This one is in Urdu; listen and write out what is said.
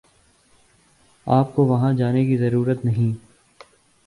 آپ کو وہاں جانے کی ضرورت نہیں